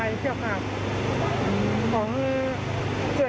อยู่เหมือนแมงแล้วเขาอยู่กันรอบรากไหมคะ